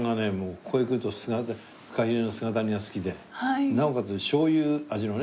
ここへ来るとフカヒレの姿煮が好きでなおかつ醤油味のね